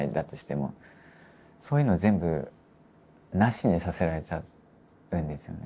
そういうのを全部なしにさせられちゃうんですよね。